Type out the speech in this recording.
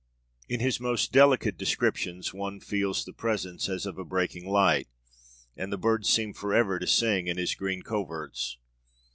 In his most delicate descriptions one feels the presence as of a breaking light, and the birds seem forever to sing in his green coverts.